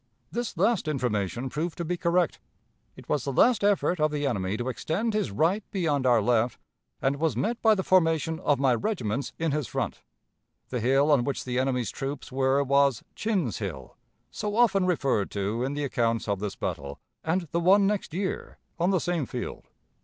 This last information proved to be correct. It was the last effort of the enemy to extend his right beyond our left, and was met by the formation of my regiments in his front.... The hill on which the enemy's troops were was Chinn's Hill, so often referred to in the accounts of this battle, and the one next year, on the same field....